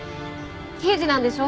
刑事なんでしょ？